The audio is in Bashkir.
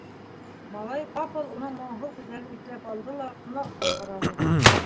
Малай ҡапыл уның моңһоу күҙҙәрен иҫләп алды ла ҡунаҡҡа ҡараны.